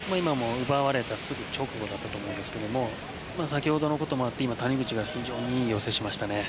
この選手の左足も今も、奪われたすぐ直後だったと思うんですけど先ほどのこともあって、谷口が非常にいい寄せをしましたね。